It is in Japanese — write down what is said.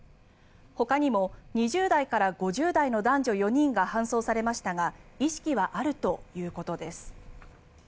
ほかにも２０代から５０代の男女４人が搬送されましたが意識はあるということです。